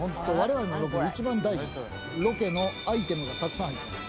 ロケのアイテムがたくさん入ってます